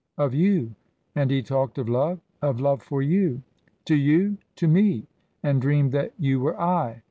"Of you." "And he talked of love?" "Of love for you." "To you?" "To me." "And dreamed that you were I?